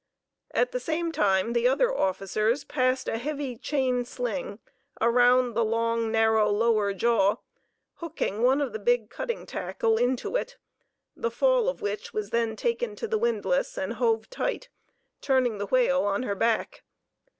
At the same time the other officers passed a heavy chain sling around the long, narrow lower jaw, hooking one of the big cutting tackle into it, the "fall" of which was then taken to the windlass and hove tight, turning the whale on her back.